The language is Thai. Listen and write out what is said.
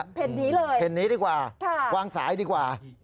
เพ่นนี้เลยเพ่นนี้ดีกว่าวางสายดีกว่า